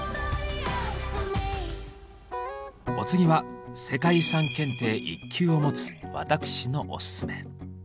お次は世界遺産検定１級を持つ私のオススメ。